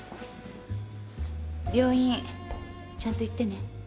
病院ちゃんと行ってね。